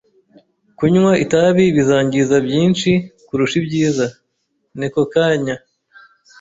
Kunywa itabi bizangiza byinshi kuruta ibyiza. (NekoKanjya)